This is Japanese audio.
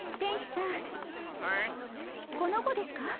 このこですか？